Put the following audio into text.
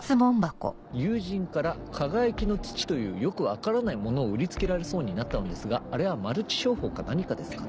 「友人から『かがやきの土』というよくわからないものを売りつけられそうになったのですがあれはマルチ商法か何かですか？」。